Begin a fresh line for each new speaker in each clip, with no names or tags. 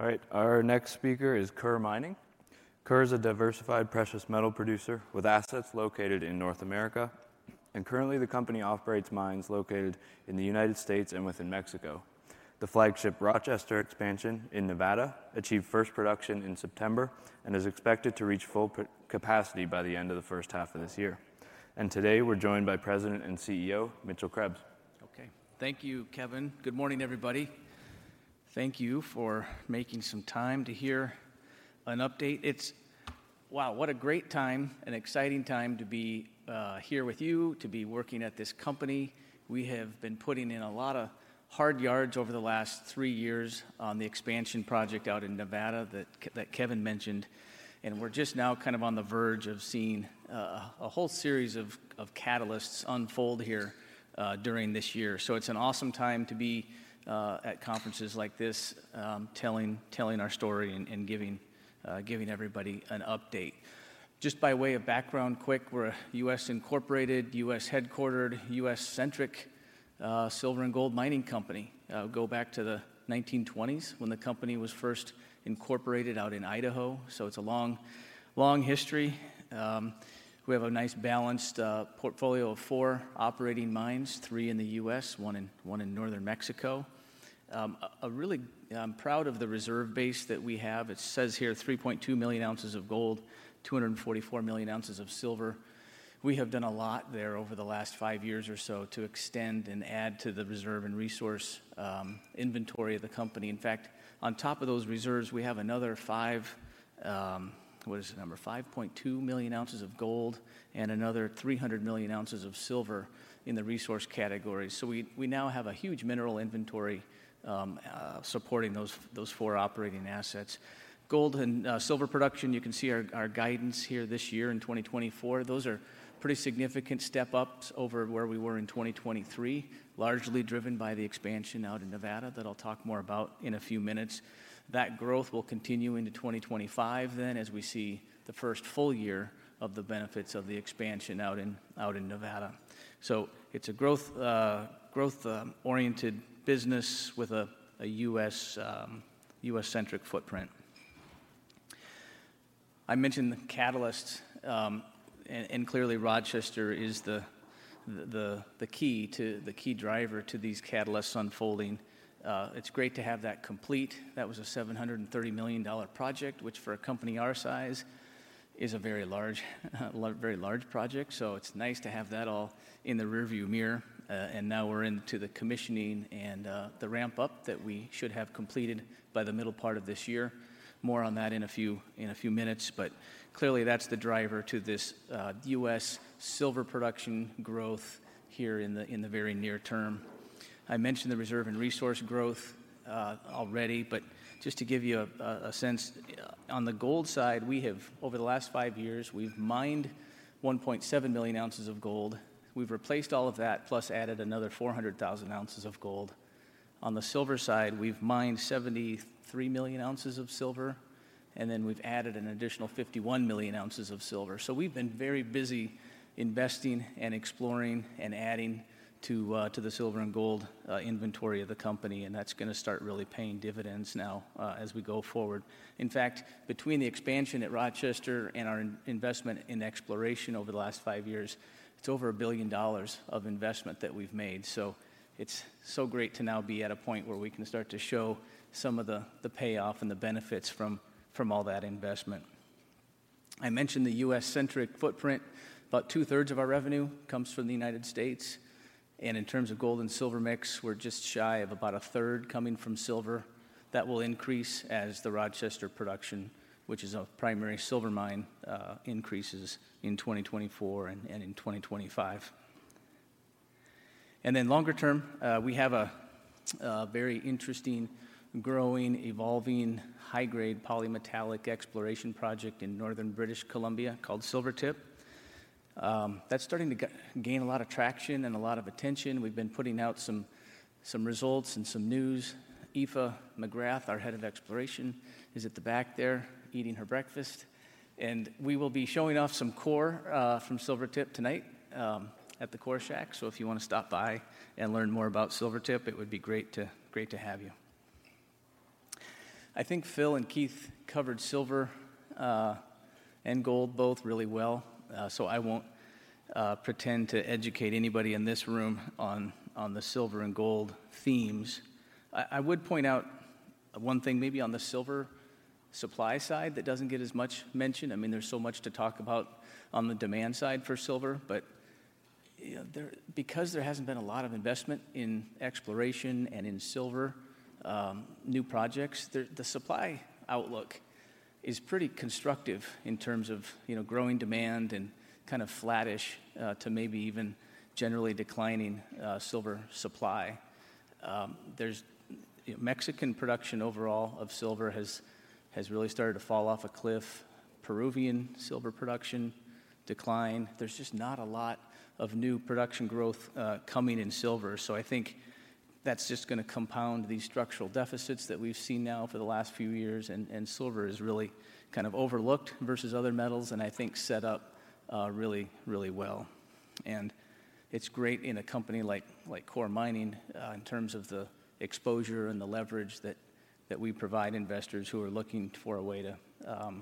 All right, our next speaker is Coeur Mining. Coeur is a diversified precious metal producer with assets located in North America, and currently the company operates mines located in the United States and within Mexico. The flagship Rochester expansion in Nevada achieved first production in September and is expected to reach full capacity by the end of the first half of this year. Today we're joined by President and CEO Mitchell Krebs.
Okay, thank you, Kevin. Good morning, everybody. Thank you for making some time to hear an update. It's, wow, what a great time, an exciting time to be here with you, to be working at this company. We have been putting in a lot of hard yards over the last three years on the expansion project out in Nevada that Kevin mentioned, and we're just now kind of on the verge of seeing a whole series of catalysts unfold here during this year. So it's an awesome time to be at conferences like this, telling our story and giving everybody an update. Just by way of background quick, we're a U.S.-incorporated, U.S.-headquartered, U.S.-centric silver and gold mining company. Go back to the 1920s when the company was first incorporated out in Idaho, so it's a long history. We have a nice balanced portfolio of four operating mines, three in the U.S., one in Northern Mexico. I'm really proud of the reserve base that we have. It says here 3.2 million ounces of gold, 244 million ounces of silver. We have done a lot there over the last five years or so to extend and add to the reserve and resource inventory of the company. In fact, on top of those reserves, we have another five—what is the number?—5.2 million ounces of gold and another 300 million ounces of silver in the resource categories. So we now have a huge mineral inventory supporting those four operating assets. Gold and silver production, you can see our guidance here this year in 2024. Those are pretty significant step-ups over where we were in 2023, largely driven by the expansion out in Nevada that I'll talk more about in a few minutes. That growth will continue into 2025 then as we see the first full year of the benefits of the expansion out in Nevada. So it's a growth-oriented business with a U.S.-centric footprint. I mentioned the catalysts, and clearly Rochester is the key driver to these catalysts unfolding. It's great to have that complete. That was a $730 million project, which for a company our size is a very large project. So it's nice to have that all in the rearview mirror. And now we're into the commissioning and the ramp-up that we should have completed by the middle part of this year. More on that in a few minutes, but clearly that's the driver to this U.S. silver production growth here in the very near term. I mentioned the reserve and resource growth already, but just to give you a sense, on the gold side, over the last five years, we've mined 1.7 million ounces of gold. We've replaced all of that, plus added another 400,000 ounces of gold. On the silver side, we've mined 73 million ounces of silver, and then we've added an additional 51 million ounces of silver. So we've been very busy investing and exploring and adding to the silver and gold inventory of the company, and that's going to start really paying dividends now as we go forward. In fact, between the expansion at Rochester and our investment in exploration over the last five years, it's over $1 billion of investment that we've made. So it's so great to now be at a point where we can start to show some of the payoff and the benefits from all that investment. I mentioned the U.S.-centric footprint. About 2/3 of our revenue comes from the United States. And in terms of gold and silver mix, we're just shy of about a third coming from silver. That will increase as the Rochester production, which is a primary silver mine, increases in 2024 and in 2025. And then longer term, we have a very interesting, growing, evolving, high-grade polymetallic exploration project in northern British Columbia called Silvertip. That's starting to gain a lot of traction and a lot of attention. We've been putting out some results and some news. Aoife McGrath, our head of exploration, is at the back there eating her breakfast. We will be showing off some core from Silvertip tonight at the Core Shack. So if you want to stop by and learn more about Silvertip, it would be great to have you. I think Phil and Keith covered silver and gold both really well, so I won't pretend to educate anybody in this room on the silver and gold themes. I would point out one thing, maybe on the silver supply side that doesn't get as much mention. I mean, there's so much to talk about on the demand side for silver, but because there hasn't been a lot of investment in exploration and in silver new projects, the supply outlook is pretty constructive in terms of growing demand and kind of flattish to maybe even generally declining silver supply. Mexican production overall of silver has really started to fall off a cliff. Peruvian silver production declined. There's just not a lot of new production growth coming in silver. So I think that's just going to compound these structural deficits that we've seen now for the last few years. And silver is really kind of overlooked versus other metals, and I think set up really, really well. And it's great in a company like Core Mining in terms of the exposure and the leverage that we provide investors who are looking for a way to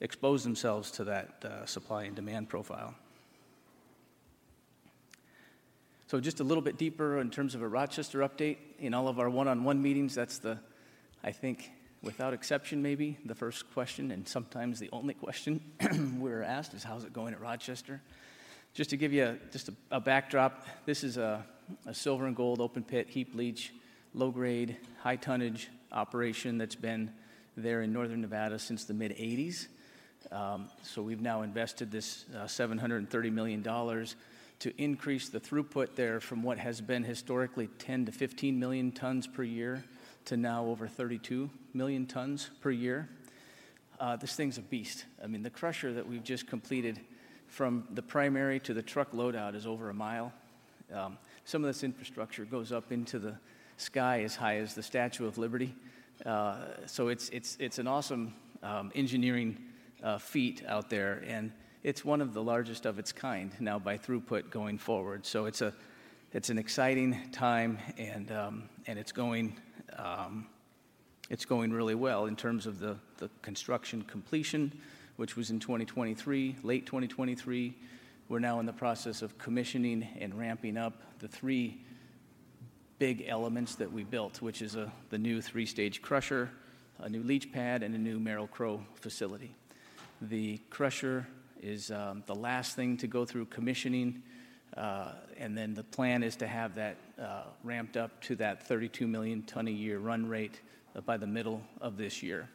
expose themselves to that supply and demand profile. So just a little bit deeper in terms of a Rochester update. In all of our one-on-one meetings, that's the, I think, without exception maybe, the first question and sometimes the only question we're asked is, "How's it going at Rochester?" Just to give you just a backdrop, this is a silver and gold open-pit heap leach, low-grade, high-tonnage operation that's been there in northern Nevada since the mid-1980s. So we've now invested this $730 million to increase the throughput there from what has been historically 10-15 million tons per year to now over 32 million tons per year. This thing's a beast. I mean, the crusher that we've just completed from the primary to the truck loadout is over a mile. Some of this infrastructure goes up into the sky as high as the Statue of Liberty. So it's an awesome engineering feat out there, and it's one of the largest of its kind now by throughput going forward. So it's an exciting time, and it's going really well in terms of the construction completion, which was in 2023, late 2023. We're now in the process of commissioning and ramping up the three big elements that we built, which is the new three-stage crusher, a new leach pad, and a new Merrill-Crowe facility. The crusher is the last thing to go through commissioning, and then the plan is to have that ramped up to that 32 million-ton-a-year run rate by the middle of this year.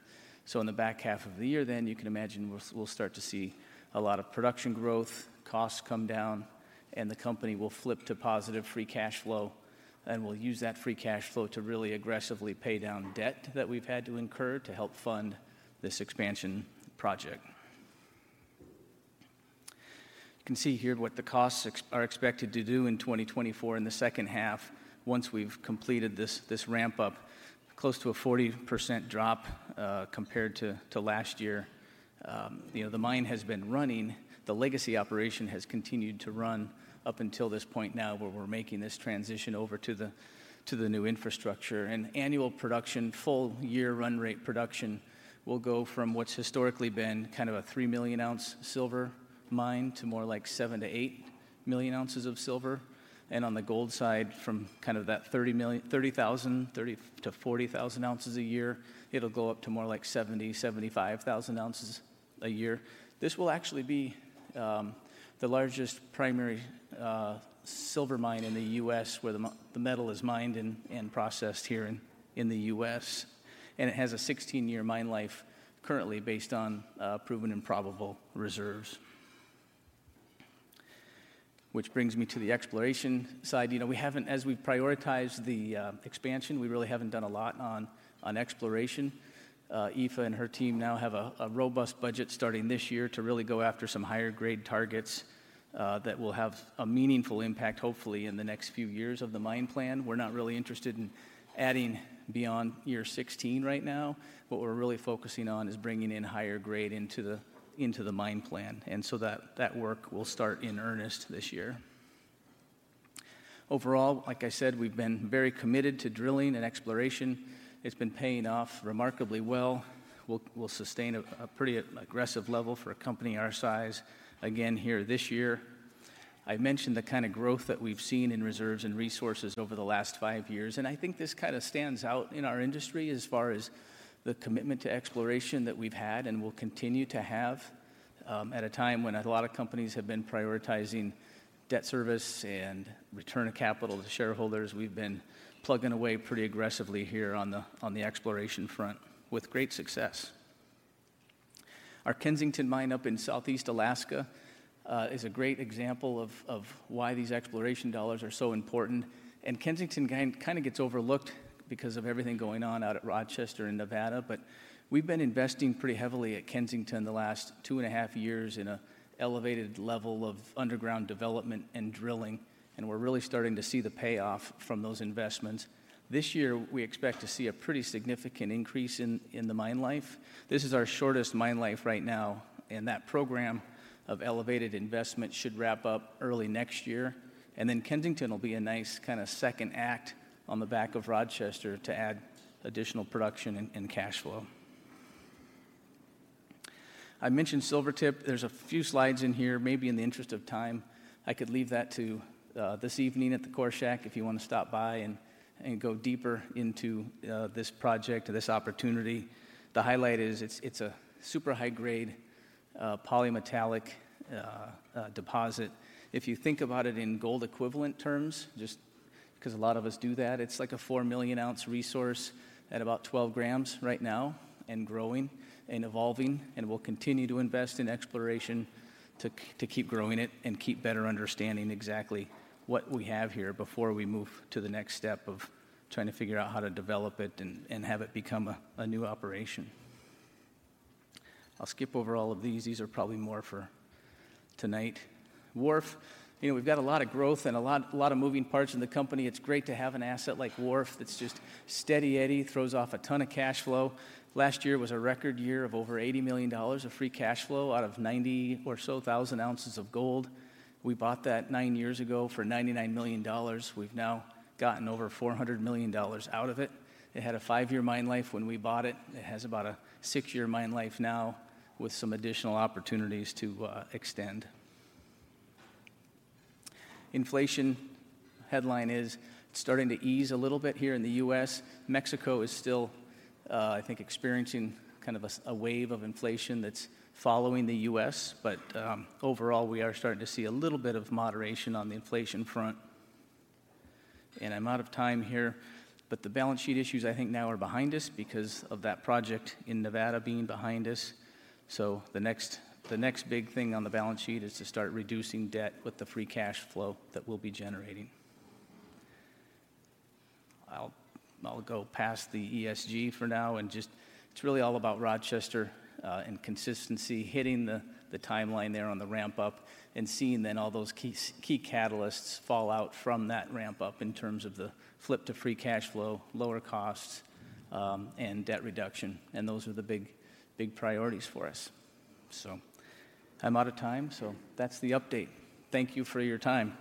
So in the back half of the year then, you can imagine we'll start to see a lot of production growth, costs come down, and the company will flip to positive free cash flow, and we'll use that free cash flow to really aggressively pay down debt that we've had to incur to help fund this expansion project. You can see here what the costs are expected to do in 2024 in the second half once we've completed this ramp-up, close to a 40% drop compared to last year. The mine has been running. The legacy operation has continued to run up until this point now where we're making this transition over to the new infrastructure. Annual production, full-year run rate production will go from what's historically been kind of a 3-million-ounce silver mine to more like 7-8 million ounces of silver. On the gold side, from kind of that 30,000-40,000 ounces a year, it'll go up to more like 70,000-75,000 ounces a year. This will actually be the largest primary silver mine in the U.S. where the metal is mined and processed here in the U.S. It has a 16-year mine life currently based on proven and probable reserves. Which brings me to the exploration side. As we've prioritized the expansion, we really haven't done a lot on exploration. Eva and her team now have a robust budget starting this year to really go after some higher-grade targets that will have a meaningful impact, hopefully, in the next few years of the mine plan. We're not really interested in adding beyond year 16 right now. What we're really focusing on is bringing in higher grade into the mine plan. And so that work will start in earnest this year. Overall, like I said, we've been very committed to drilling and exploration. It's been paying off remarkably well. We'll sustain a pretty aggressive level for a company our size again here this year. I mentioned the kind of growth that we've seen in reserves and resources over the last five years, and I think this kind of stands out in our industry as far as the commitment to exploration that we've had and will continue to have at a time when a lot of companies have been prioritizing debt service and return of capital to shareholders. We've been plugging away pretty aggressively here on the exploration front with great success. Our Kensington mine up in southeast Alaska is a great example of why these exploration dollars are so important. And Kensington kind of gets overlooked because of everything going on out at Rochester in Nevada, but we've been investing pretty heavily at Kensington the last 2.5 years in an elevated level of underground development and drilling, and we're really starting to see the payoff from those investments. This year, we expect to see a pretty significant increase in the mine life. This is our shortest mine life right now, and that program of elevated investment should wrap up early next year. And then Kensington will be a nice kind of second act on the back of Rochester to add additional production and cash flow. I mentioned Silvertip. There's a few slides in here. Maybe in the interest of time, I could leave that to this evening at the Core Shack if you want to stop by and go deeper into this project, this opportunity. The highlight is it's a super high-grade polymetallic deposit. If you think about it in gold equivalent terms, just because a lot of us do that, it's like a 4 million ounce resource at about 12 grams right now and growing and evolving. We'll continue to invest in exploration to keep growing it and keep better understanding exactly what we have here before we move to the next step of trying to figure out how to develop it and have it become a new operation. I'll skip over all of these. These are probably more for tonight. Wharf, we've got a lot of growth and a lot of moving parts in the company. It's great to have an asset like Wharf that's just steady-eddy, throws off a ton of cash flow. Last year was a record year of over $80 million of free cash flow out of 90,000 or so ounces of gold. We bought that 9 years ago for $99 million. We've now gotten over $400 million out of it. It had a five-year mine life when we bought it. It has about a six-year mine life now with some additional opportunities to extend. Inflation headline is starting to ease a little bit here in the U.S. Mexico is still, I think, experiencing kind of a wave of inflation that's following the U.S., but overall, we are starting to see a little bit of moderation on the inflation front. I'm out of time here, but the balance sheet issues, I think, now are behind us because of that project in Nevada being behind us. The next big thing on the balance sheet is to start reducing debt with the free cash flow that we'll be generating. I'll go past the ESG for now, and just, it's really all about Rochester and consistency hitting the timeline there on the ramp-up and seeing then all those key catalysts fall out from that ramp-up in terms of the flip to free cash flow, lower costs, and debt reduction. And those are the big priorities for us. So I'm out of time, so that's the update. Thank you for your time.